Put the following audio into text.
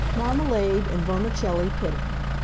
MARMALADE AND VERMICELLI PUDDING.